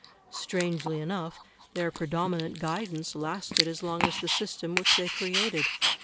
Strangely enough, their predominant guidance lasted as long as the system which they created.